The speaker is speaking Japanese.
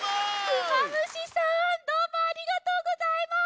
クマムシさんどうもありがとうございます！